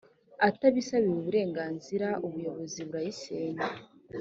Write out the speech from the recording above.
atabisabiye uburenganzira ubuyobozi burayisenya